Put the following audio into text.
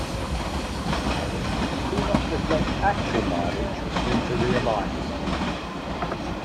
Mileposts do not reflect actual mileage due to realignments.